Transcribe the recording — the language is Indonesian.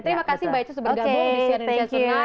terima kasih mbak eca sebergabung di sian indonesia ternak